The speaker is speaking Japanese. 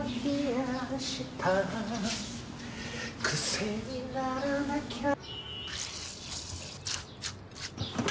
「癖にならなきゃ」